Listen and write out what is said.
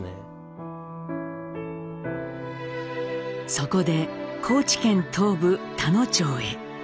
そこで高知県東部田野町へ。